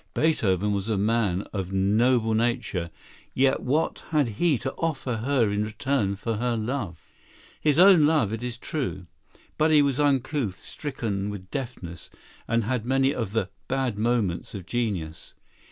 Beethoven was a man of noble nature, yet what had he to offer her in return for her love? His own love, it is true. But he was uncouth, stricken with deafness, and had many of the "bad moments" of genius.